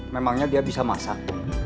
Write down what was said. memangnya dia bisa masak